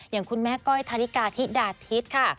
อย่างคุณแม่ก้อยธาริกาธิดาทิศค่ะ